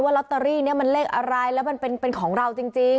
ลอตเตอรี่นี้มันเลขอะไรแล้วมันเป็นของเราจริง